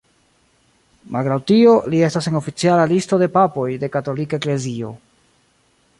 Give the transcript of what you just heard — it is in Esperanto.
Malgraŭ tio, li estas en oficiala listo de papoj de katolika eklezio.